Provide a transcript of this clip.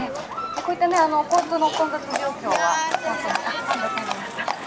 こういった交通の混雑状況は、本当に、あっ、パンダちゃんになった。